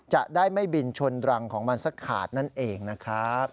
จะได้ไม่บินชนรังของมันสักขาดนั่นเองนะครับ